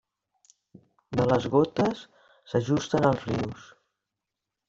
De les gotes s'ajusten els rius.